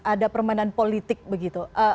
ada permainan politik begitu